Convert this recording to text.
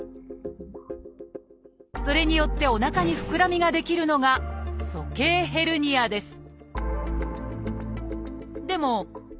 それによっておなかにふくらみが出来るのが「鼠径ヘルニア」です